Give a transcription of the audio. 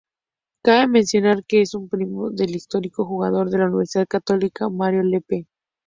Cabe mencionar que es primo del histórico jugador de la Universidad Católica, Mario Lepe.